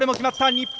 日本。